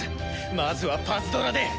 まずはパズドラで。